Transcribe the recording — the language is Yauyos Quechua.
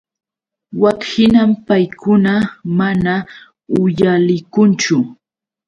Wakhinam paykuna mana uyalikunchu.